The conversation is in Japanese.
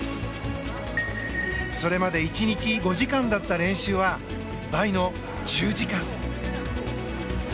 それまで１日５時間だった練習は倍の１０時間。